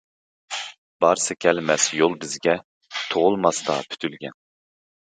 بارسا كەلمەس يول بىزگە، تۇغۇلماستا پۈتۈلگەن.